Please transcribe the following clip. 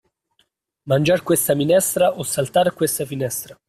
Mangiar questa minestra o saltar questa finestra.